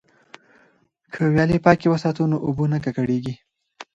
که ویالې پاکې وساتو نو اوبه نه ککړیږي.